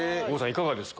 いかがですか？